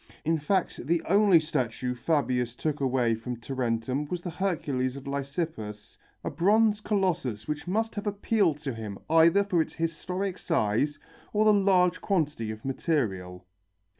In fact the only statue Fabius took away from Tarentum was the Hercules of Lysippus, a bronze colossus which must have appealed to him either for its heroic size or the large quantity of material.